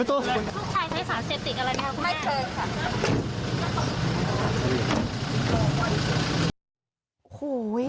ไม่เคยครับ